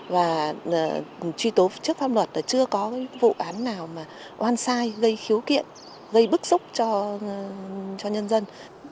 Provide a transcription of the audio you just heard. và truy tố trước pháp luật là chưa có vụ án nào mà oan sai gây khiếu kiện gây bức xúc cho nhân dân